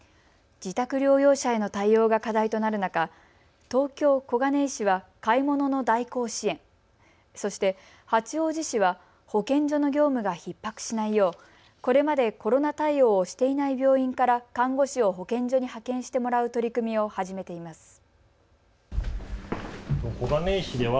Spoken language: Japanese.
自宅療養者への対応が課題となる中、東京小金井市は買い物の代行支援、そして八王子市は保健所の業務がひっ迫しないようこれまでコロナ対応をしていない病院から看護師を保健所に派遣してもらう取り組みを始めています。